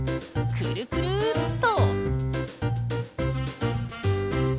くるくるっと！